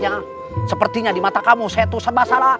yang sepertinya di mata kamu saya tuh serba salah